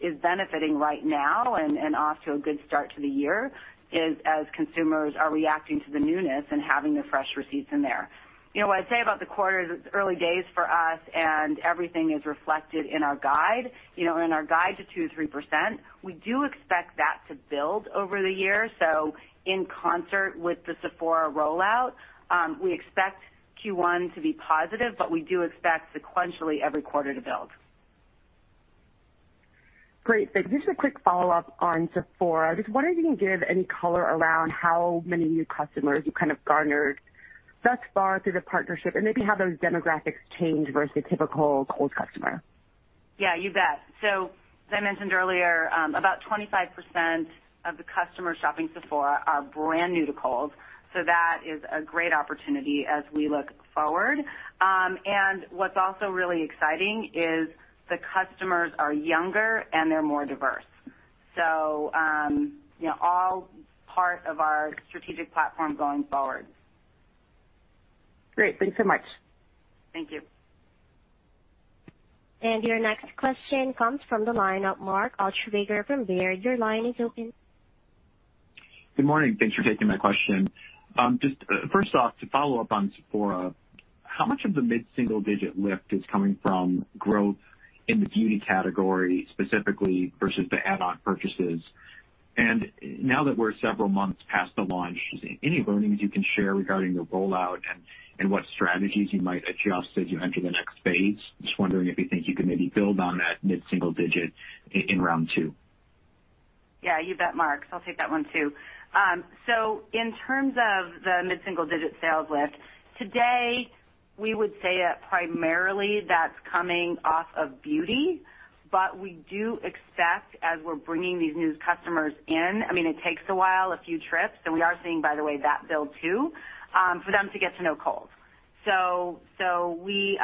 is benefiting right now and off to a good start to the year as consumers are reacting to the newness and having the fresh receipts in there. You know, what I'd say about the quarter, it's early days for us and everything is reflected in our guide. You know, in our guide to 2%-3%, we do expect that to build over the year. In concert with the Sephora rollout, we expect Q1 to be positive, but we do expect sequentially every quarter to build. Great. Thanks. Just a quick follow-up on Sephora. Just wondering if you can give any color around how many new customers you've kind of garnered thus far through the partnership and maybe how those demographics change versus a typical Kohl's customer? Yeah, you bet. As I mentioned earlier, about 25% of the customers shopping Sephora are brand new to Kohl's, so that is a great opportunity as we look forward. What's also really exciting is the customers are younger, and they're more diverse. You know, all part of our strategic platform going forward. Great. Thanks so much. Thank you. Your next question comes from the line of Mark Altschwager from Baird. Your line is open. Good morning. Thanks for taking my question. Just first off, to follow up on Sephora, how much of the mid-single digit lift is coming from growth in the beauty category, specifically versus the add-on purchases? Now that we're several months past the launch, any learnings you can share regarding the rollout and what strategies you might adjust as you enter the next phase? Just wondering if you think you could maybe build on that mid-single digit in round two. Yeah, you bet, Mark. I'll take that one, too. In terms of the mid-single digit sales lift, today, we would say that primarily that's coming off of beauty, but we do expect as we're bringing these new customers in, I mean, it takes a while, a few trips, and we are seeing, by the way, that build, too, for them to get to know Kohl's. We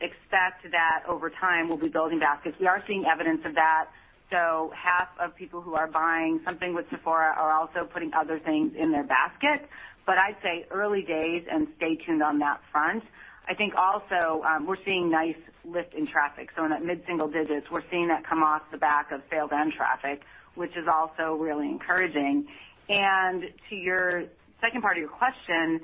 expect that over time, we'll be building baskets. We are seeing evidence of that. Half of people who are buying something with Sephora are also putting other things in their basket. But I'd say early days and stay tuned on that front. I think also, we're seeing nice lift in traffic. In that mid-single digits, we're seeing that come off the back of sales and traffic, which is also really encouraging. To your second part of your question,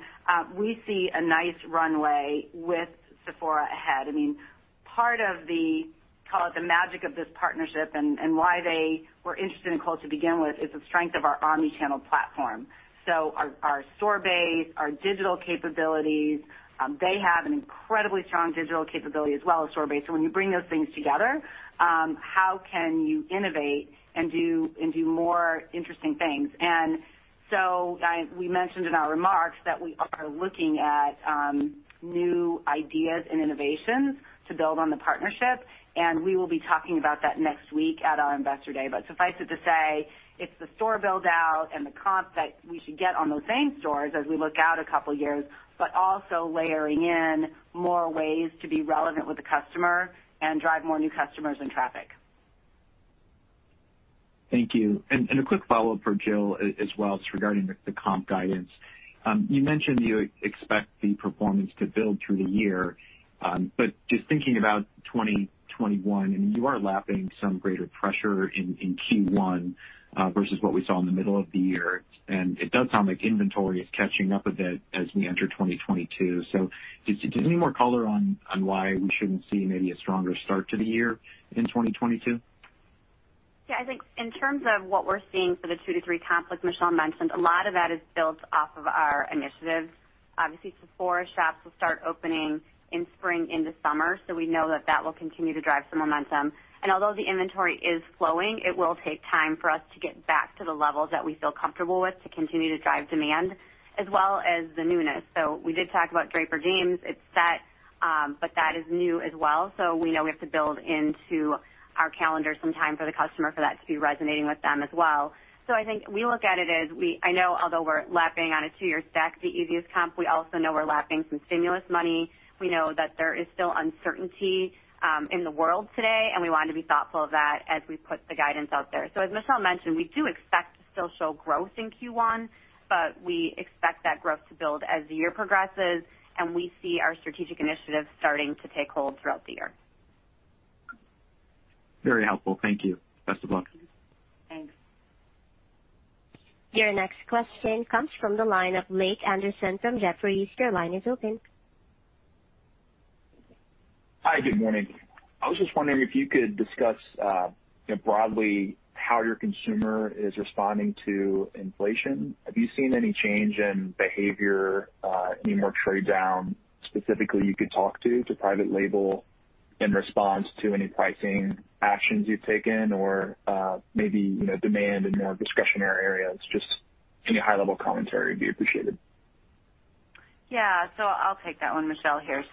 we see a nice runway with Sephora ahead. I mean, part of the, call it the magic of this partnership and why they were interested in Kohl's to begin with is the strength of our omni-channel platform. Our store base, our digital capabilities, they have an incredibly strong digital capability as well as store base. When you bring those things together, how can you innovate and do more interesting things? We mentioned in our remarks that we are looking at new ideas and innovations to build on the partnership, and we will be talking about that next week at our investor day. Suffice it to say, it's the store build-out and the comp that we should get on those same stores as we look out a couple of years, but also layering in more ways to be relevant with the customer and drive more new customers and traffic. Thank you. A quick follow-up for Jill as well. It's regarding the comps guidance. You mentioned you expect the performance to build through the year, but just thinking about 2021, I mean, you are lapping some greater pressure in Q1 versus what we saw in the middle of the year. It does sound like inventory is catching up a bit as we enter 2022. Just any more color on why we shouldn't see maybe a stronger start to the year in 2022? Yeah, I think in terms of what we're seeing for the two to three comp, like Michelle mentioned, a lot of that is built off of our initiatives. Obviously, Sephora shops will start opening in spring into summer, so we know that that will continue to drive some momentum. Although the inventory is flowing, it will take time for us to get back to the levels that we feel comfortable with to continue to drive demand as well as the newness. We did talk about Draper James. It's set, but that is new as well. We know we have to build into our calendar some time for the customer for that to be resonating with them as well. I think we look at it as we. I know, although we're lapping on a two-year stack, the easiest comp, we also know we're lapping some stimulus money. We know that there is still uncertainty in the world today, and we wanted to be thoughtful of that as we put the guidance out there. As Michelle mentioned, we do expect to still show growth in Q1, but we expect that growth to build as the year progresses, and we see our strategic initiatives starting to take hold throughout the year. Very helpful. Thank you. Best of luck. Thanks. Your next question comes from the line of Ike Boruchow from Jefferies. Your line is open. Hi, good morning. I was just wondering if you could discuss, you know, broadly how your consumer is responding to inflation. Have you seen any change in behavior, any more trade down specifically you could talk to private label in response to any pricing actions you've taken or, maybe, you know, demand in more discretionary areas? Just any high-level commentary would be appreciated. Yeah. I'll take that one. Michelle here.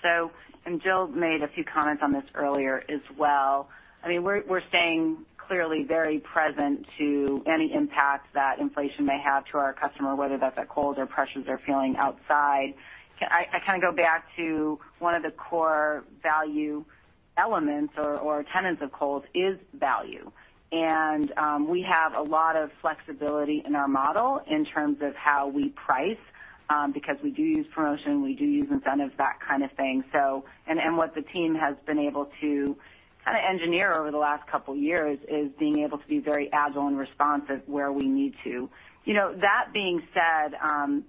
Jill made a few comments on this earlier as well. I mean, we're staying clearly very present to any impact that inflation may have to our customer, whether that's at Kohl's or pressures they're feeling outside. I kinda go back to one of the core value elements or tenets of Kohl's is value. We have a lot of flexibility in our model in terms of how we price, because we do use promotion, we do use incentives, that kind of thing. What the team has been able to kinda engineer over the last couple years is being able to be very agile and responsive where we need to. You know, that being said,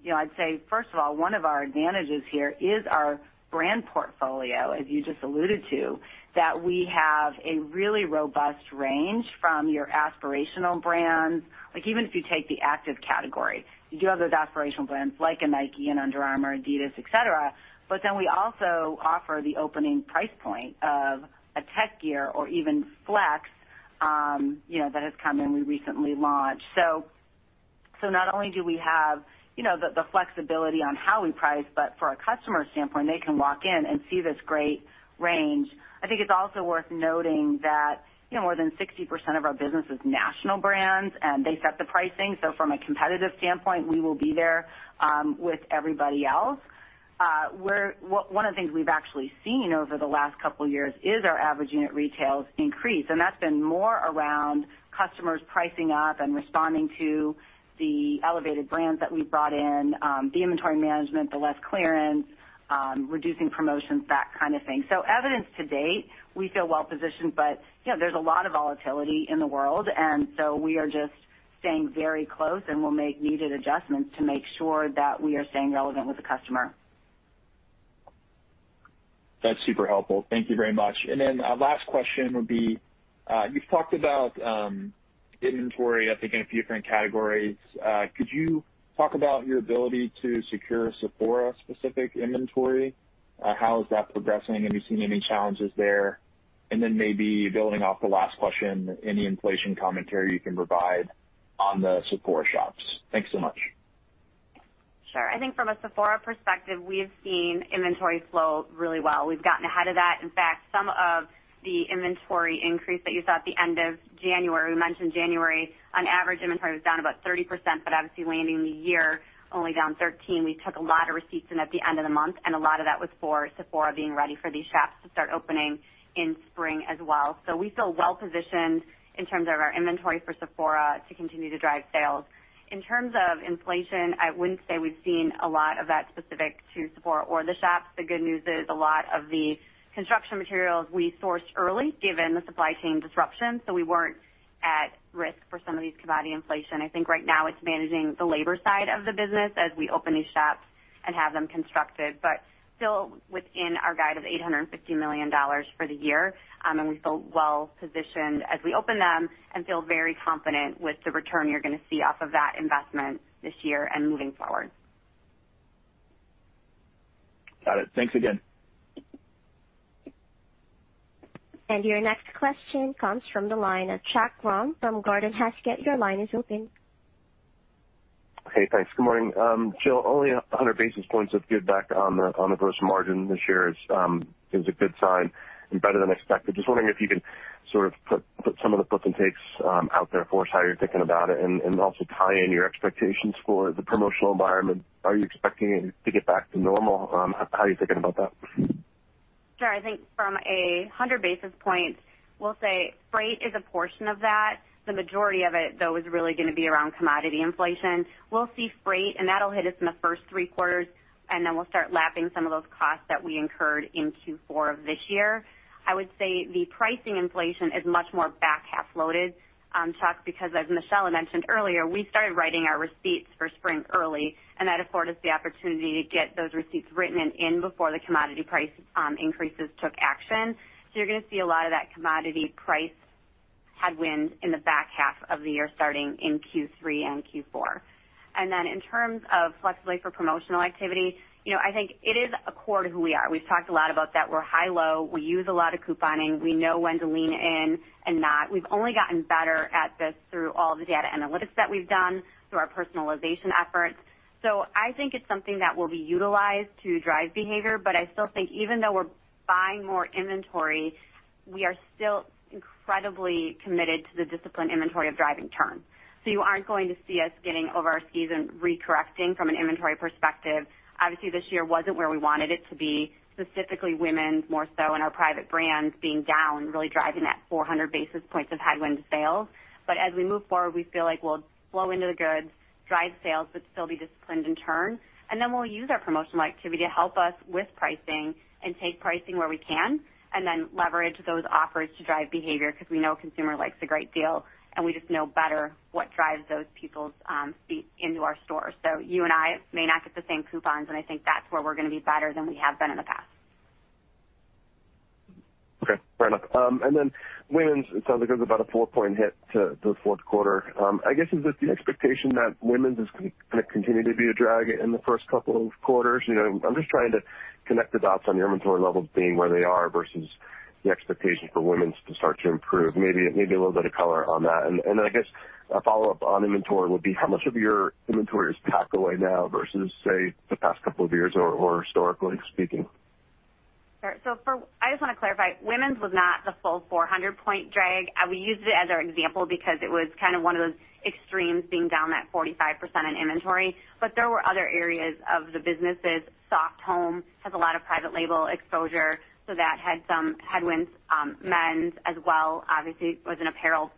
you know, I'd say, first of all, one of our advantages here is our brand portfolio, as you just alluded to, that we have a really robust range from your aspirational brands. Like, even if you take the active category, you do have those aspirational brands like a Nike, an Under Armour, Adidas, et cetera. But then we also offer the opening price point of a Tek Gear or even FLX, you know, that has come in, we recently launched. Not only do we have, you know, the flexibility on how we price, but from a customer standpoint, they can walk in and see this great range. I think it's also worth noting that, you know, more than 60% of our business is national brands, and they set the pricing. From a competitive standpoint, we will be there with everybody else. One of the things we've actually seen over the last couple years is our average unit retail increase, and that's been more around customers pricing up and responding to the elevated brands that we've brought in, the inventory management, the less clearance, reducing promotions, that kind of thing. Evidence to date, we feel well positioned, but, you know, there's a lot of volatility in the world, and so we are just staying very close, and we'll make needed adjustments to make sure that we are staying relevant with the customer. That's super helpful. Thank you very much. Last question would be, you've talked about inventory, I think, in a few different categories. Could you talk about your ability to secure Sephora specific inventory? How is that progressing? Have you seen any challenges there? Maybe building off the last question, any inflation commentary you can provide on the Sephora shops. Thanks so much. Sure. I think from a Sephora perspective, we have seen inventory flow really well. We've gotten ahead of that. In fact, some of the inventory increase that you saw at the end of January, we mentioned January, on average, inventory was down about 30%, but obviously landing the year only down 13%. We took a lot of receipts in at the end of the month, and a lot of that was for Sephora being ready for these shops to start opening in spring as well. We feel well positioned in terms of our inventory for Sephora to continue to drive sales. In terms of inflation, I wouldn't say we've seen a lot of that specific to Sephora or the shops. The good news is a lot of the construction materials we sourced early, given the supply chain disruption, so we weren't at risk for some of these commodity inflation. I think right now it's managing the labor side of the business as we open these shops and have them constructed, but still within our guide of $850 million for the year. We feel well positioned as we open them and feel very confident with the return you're gonna see off of that investment this year and moving forward. Got it. Thanks again. Your next question comes from the line of Chuck Grom from Gordon Haskett. Your line is open. Hey, thanks. Good morning. Jill, only 100 basis points of good back on the gross margin this year is a good sign and better than expected. Just wondering if you can sort of put some of the puts and takes out there for us, how you're thinking about it, and also tie in your expectations for the promotional environment. Are you expecting it to get back to normal? How are you thinking about that? Sure. I think from 100 basis points, we'll say freight is a portion of that. The majority of it, though, is really gonna be around commodity inflation. We'll see freight, and that'll hit us in the first three quarters, and then we'll start lapping some of those costs that we incurred in Q4 of this year. I would say the pricing inflation is much more back half loaded, Chuck, because as Michelle had mentioned earlier, we started writing our receipts for spring early, and that afforded us the opportunity to get those receipts written and in before the commodity price increases took effect. You're gonna see a lot of that commodity price headwind in the back half of the year, starting in Q3 and Q4. In terms of flexibility for promotional activity, you know, I think it is a core to who we are. We've talked a lot about that. We're high-low. We use a lot of couponing. We know when to lean in and not. We've only gotten better at this through all the data analytics that we've done, through our personalization efforts. I think it's something that will be utilized to drive behavior, but I still think even though we're buying more inventory, we are still incredibly committed to the disciplined inventory of driving turn. You aren't going to see us getting over our skis and recorrecting from an inventory perspective. Obviously, this year wasn't where we wanted it to be, specifically women's more so and our private brands being down, really driving that 400 basis points of headwind sales. As we move forward, we feel like we'll flow into the goods, drive sales, but still be disciplined in turn. We'll use our promotional activity to help us with pricing and take pricing where we can, and then leverage those offers to drive behavior because we know a consumer likes a great deal, and we just know better what drives those people's feet into our stores. You and I may not get the same coupons, and I think that's where we're gonna be better than we have been in the past. Okay, fair enough. Women's, it sounds like it was about a 4-point hit to the fourth quarter. I guess, is it the expectation that women's is gonna continue to be a drag in the first couple of quarters? You know, I'm just trying to connect the dots on your inventory levels being where they are versus the expectation for women's to start to improve. Maybe a little bit of color on that. I guess a follow-up on inventory would be how much of your inventory is pack away now versus, say, the past couple of years or historically speaking? I just wanna clarify, Women's was not the full 400-point drag. We used it as our example because it was kind of one of those extremes being down that 45% in inventory. There were other areas of the businesses. Soft Home has a lot of private label exposure, so that had some headwinds. Men's as well, obviously, was an apparel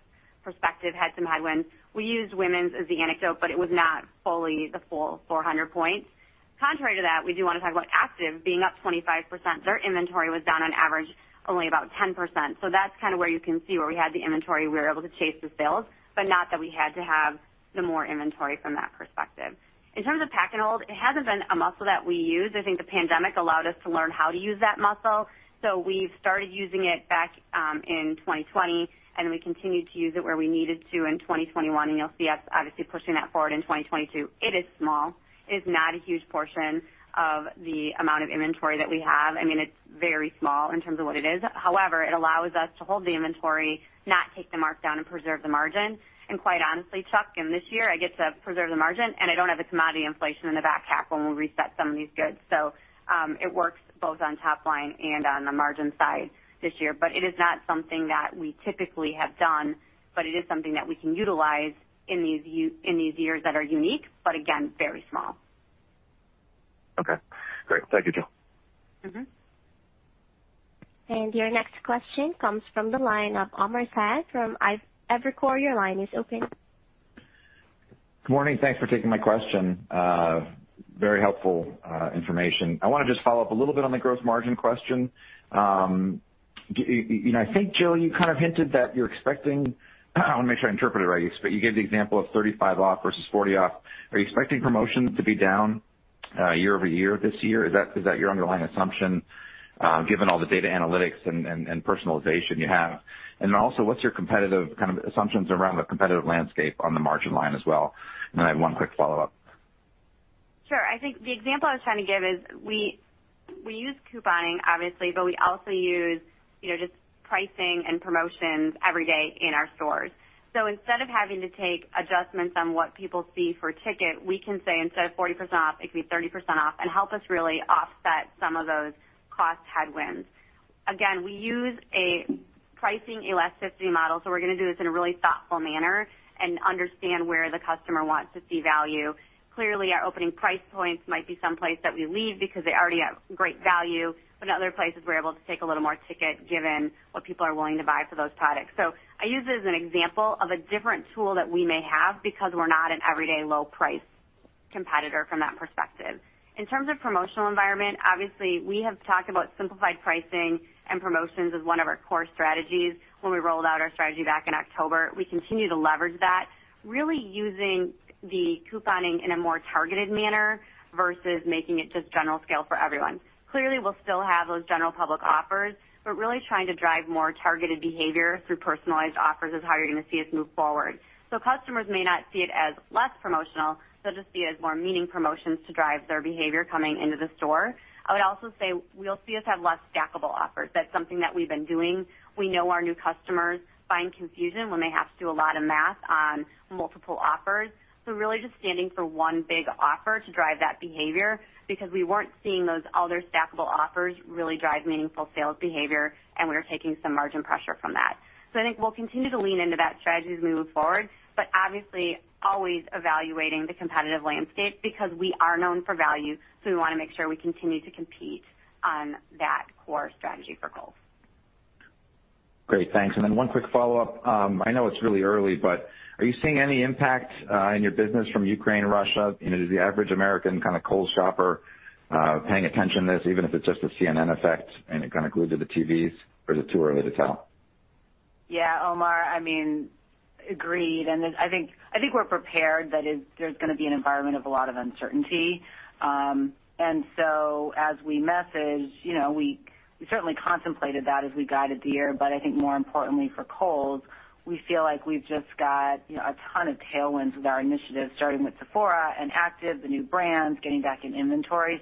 perspective, had some headwinds. We used Women's as the anecdote, but it was not fully the full 400 points. Contrary to that, we do wanna talk about Active being up 25%. Their inventory was down on average only about 10%. That's kinda where you can see where we had the inventory, we were able to chase the sales, but not that we had to have the more inventory from that perspective. In terms of pack and hold, it hasn't been a muscle that we use. I think the pandemic allowed us to learn how to use that muscle. We've started using it back in 2020, and we continued to use it where we needed to in 2021, and you'll see us obviously pushing that forward in 2022. It is small. It is not a huge portion of the amount of inventory that we have. I mean, it's very small in terms of what it is. However, it allows us to hold the inventory, not take the markdown, and preserve the margin. Quite honestly, Chuck, in this year, I get to preserve the margin, and I don't have the commodity inflation in the back half when we reset some of these goods. It works both on top line and on the margin side this year. It is not something that we typically have done, but it is something that we can utilize in these years that are unique, but again, very small. Okay, great. Thank you, Jill. Mm-hmm. Your next question comes from the line of Omar Saad from Evercore. Your line is open. Good morning. Thanks for taking my question. Very helpful information. I wanna just follow up a little bit on the gross margin question. You know, I think, Jill, you kind of hinted that you're expecting. I wanna make sure I interpret it right. You gave the example of 35 off versus 40 off. Are you expecting promotions to be down year-over-year this year? Is that your underlying assumption, given all the data analytics and personalization you have? Also, what's your competitive kind of assumptions around the competitive landscape on the margin line as well? I have one quick follow-up. Sure. I think the example I was trying to give is we use couponing obviously, but we also use, you know, just pricing and promotions every day in our stores. Instead of having to take adjustments on what people see for ticket, we can say instead of 40% off, it can be 30% off, and help us really offset some of those cost headwinds. Again, we use a pricing elasticity model, so we're gonna do this in a really thoughtful manner and understand where the customer wants to see value. Clearly, our opening price points might be someplace that we leave because they already have great value, but in other places we're able to take a little more ticket given what people are willing to buy for those products. I use it as an example of a different tool that we may have because we're not an everyday low price competitor from that perspective. In terms of promotional environment, obviously, we have talked about simplified pricing and promotions as one of our core strategies when we rolled out our strategy back in October. We continue to leverage that, really using the couponing in a more targeted manner versus making it just general sale for everyone. Clearly, we'll still have those general public offers, but really trying to drive more targeted behavior through personalized offers is how you're gonna see us move forward. Customers may not see it as less promotional, they'll just see it as more meaningful promotions to drive their behavior coming into the store. I would also say we'll see less stackable offers. That's something that we've been doing. We know our new customers find confusion when they have to do a lot of math on multiple offers. Really just standing for one big offer to drive that behavior because we weren't seeing those other stackable offers really drive meaningful sales behavior, and we were taking some margin pressure from that. I think we'll continue to lean into that strategy as we move forward, but obviously always evaluating the competitive landscape because we are known for value, so we wanna make sure we continue to compete on that core strategy for Kohl's. Great. Thanks. One quick follow-up. I know it's really early, but are you seeing any impact in your business from Ukraine-Russia? You know, is the average American kinda Kohl's shopper paying attention to this, even if it's just a CNN effect and it kinda glued to the TVs, or is it too early to tell? Yeah, Omar, I mean, agreed. I think we're prepared that there's gonna be an environment of a lot of uncertainty. As we message, you know, we certainly contemplated that as we guided the year. I think more importantly for Kohl's, we feel like we've just got, you know, a ton of tailwinds with our initiatives, starting with Sephora and Active, the new brands, getting back in inventory.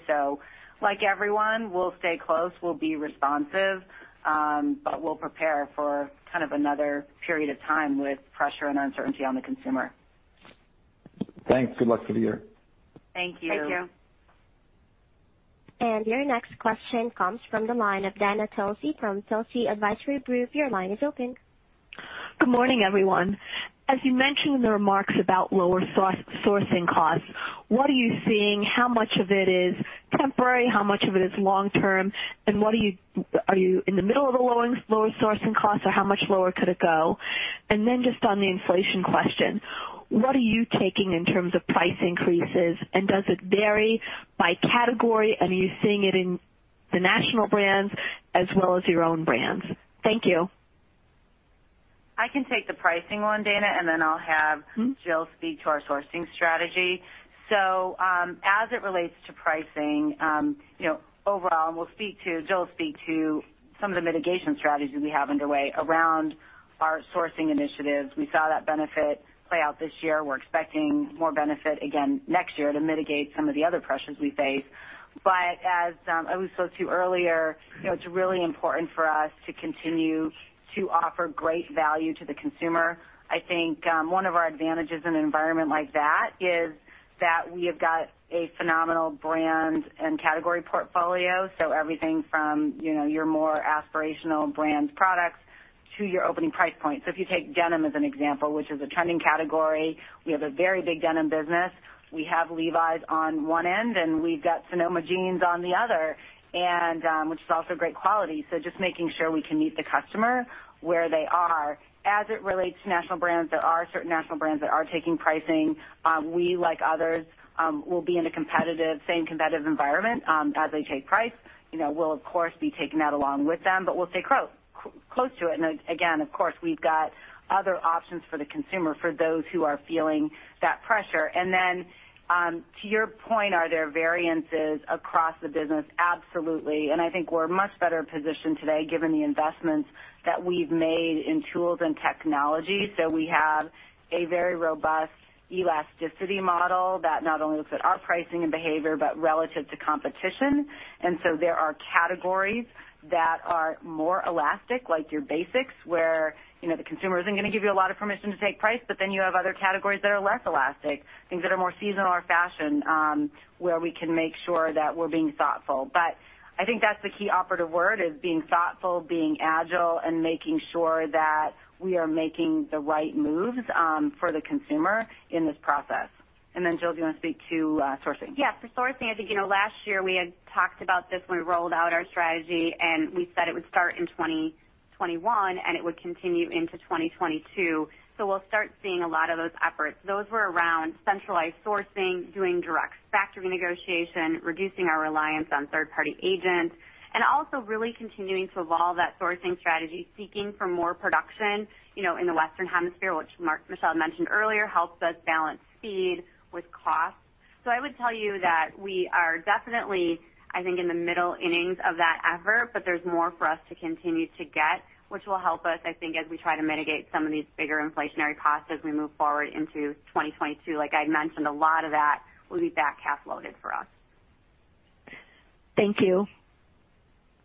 Like everyone, we'll stay close, we'll be responsive, but we'll prepare for kind of another period of time with pressure and uncertainty on the consumer. Thanks. Good luck for the year. Thank you. Thank you. Your next question comes from the line of Dana Telsey from Telsey Advisory Group. Your line is open. Good morning, everyone. As you mentioned in the remarks about lower sourcing costs, what are you seeing, how much of it is temporary, how much of it is long term, and are you in the middle of lower sourcing costs, or how much lower could it go? Then just on the inflation question, what are you taking in terms of price increases, and does it vary by category? Are you seeing it in the national brands as well as your own brands? Thank you. I can take the pricing one, Dana, and then I'll have. Mm-hmm. Jill speak to our sourcing strategy. As it relates to pricing, you know, overall, and Jill will speak to some of the mitigation strategies we have underway around our sourcing initiatives. We saw that benefit play out this year. We're expecting more benefit again next year to mitigate some of the other pressures we face. As I also spoke to earlier, you know, it's really important for us to continue to offer great value to the consumer. I think, one of our advantages in an environment like that is that we have got a phenomenal brand and category portfolio, so everything from, you know, your more aspirational brands products to your opening price points. If you take denim as an example, which is a trending category, we have a very big denim business. We have Levi's on one end, and we've got Sonoma jeans on the other, which is also great quality. Just making sure we can meet the customer where they are. As it relates to national brands, there are certain national brands that are taking pricing. We, like others, will be in the same competitive environment as they take price. You know, we'll of course be taking that along with them, but we'll stay close to it. Again, of course, we've got other options for the consumer, for those who are feeling that pressure. To your point, are there variances across the business? Absolutely. I think we're much better positioned today given the investments that we've made in tools and technology. We have a very robust elasticity model that not only looks at our pricing and behavior, but relative to competition. There are categories that are more elastic, like your basics, where, you know, the consumer isn't gonna give you a lot of permission to take price, but then you have other categories that are less elastic, things that are more seasonal or fashion, where we can make sure that we're being thoughtful. I think that's the key operative word, is being thoughtful, being agile, and making sure that we are making the right moves, for the consumer in this process. Jill, do you wanna speak to sourcing? Yeah. For sourcing, I think, you know, last year we had talked about this when we rolled out our strategy, and we said it would start in 2021, and it would continue into 2022. We'll start seeing a lot of those efforts. Those were around centralized sourcing, doing direct factory negotiation, reducing our reliance on third-party agents, and also really continuing to evolve that sourcing strategy, seeking for more production, you know, in the Western hemisphere, which Michelle mentioned earlier, helps us balance speed with cost. I would tell you that we are definitely, I think, in the middle innings of that effort, but there's more for us to continue to get, which will help us, I think, as we try to mitigate some of these bigger inflationary costs as we move forward into 2022. Like I mentioned, a lot of that will be back half loaded for us. Thank you.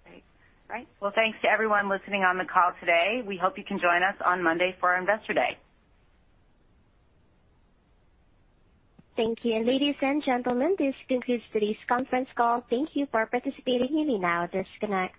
Great. All right. Well, thanks to everyone listening on the call today. We hope you can join us on Monday for our Investor Day. Thank you. Ladies and gentlemen, this concludes today's conference call. Thank you for participating. You may now disconnect.